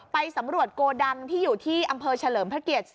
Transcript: ไปสำรวจโกดังที่อยู่ที่อำเภอเฉลิมพระเกียรติ